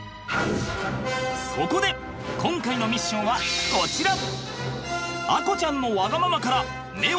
そこで今回のミッションはこちら！